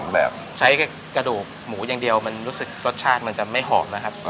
แบคหนึ่งเดียวรสชาติมันจะไม่หอมนะครับ